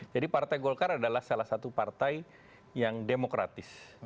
jadi partai golkar adalah salah satu partai yang demokratis